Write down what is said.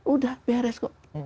udah beres kok